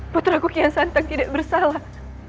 putra kuki yang santang tidak bersalah